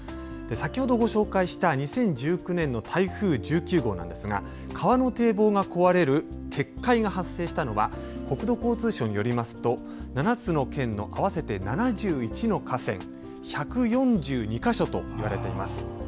先ほどご紹介した２０１９年の台風１９号では川の堤防が壊れる決壊が発生したのは国土交通省によりますと７つの県の合わせて７１の河川１４２か所といわれています。